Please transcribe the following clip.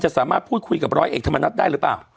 สามารถพูดคุยกับร้อยเอกธรรมนัฐได้หรือเปล่า